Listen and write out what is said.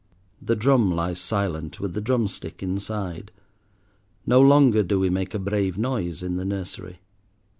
The drum lies silent with the drumstick inside; no longer do we make a brave noise in the nursery.